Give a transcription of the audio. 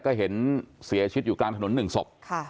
ก็เห็นเสียชิดอยู่กลางถนนหนึ่งศพ